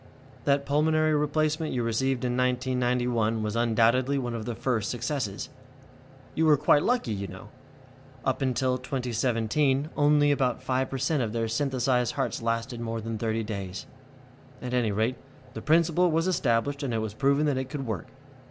"That pulmonary replacement you received in 1991 was undoubtedly one of the first successes. You were quite lucky, you know. Up until 2017, only about five per cent of their synthesized hearts lasted more than thirty days. At any rate, the principle was established, and it was proven that it could work.